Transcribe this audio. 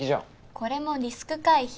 これもリスク回避。